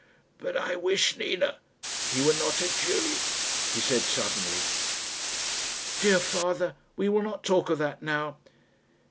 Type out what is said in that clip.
"But I wish, Nina, he were not a Jew," he said suddenly. "Dear father, we will not talk of that now."